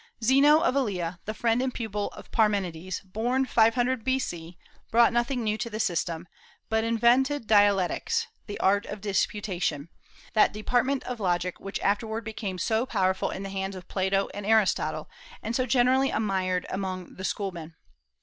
Zeno of Elea, the friend and pupil of Parmenides, born 500 B.C., brought nothing new to the system, but invented Dialectics, the art of disputation, that department of logic which afterward became so powerful in the hands of Plato and Aristotle, and so generally admired among the schoolmen.